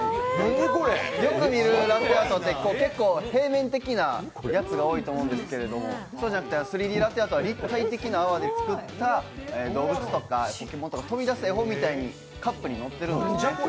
よく見るラテアートって結構平面的なものが多いんですけど、そうじゃなくて３Ｄラテアートは立体的な泡で作った動物とかが、飛び出す絵本のようにカップに乗ってるんです。